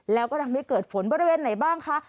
แล้วกำลังไม่เกิดฝนบริเวณไหนบ้างคะ